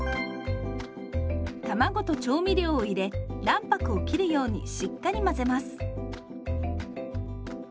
卵と調味料を入れ卵白をきるようにしっかり混ぜます。